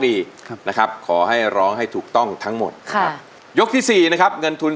ไม่ใช้ไม่ใช้ไม่ใช้ไม่ใช้ไม่ใช้ไม่ใช้ไม่ใช้